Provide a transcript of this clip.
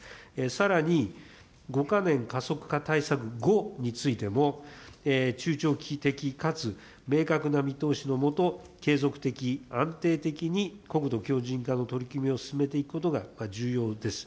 さらに５か年加速化対策後についても、中長期的かつ明確な見通しのもと、継続的、安定的に国土強じん化の取り組みを進めていくことが重要です。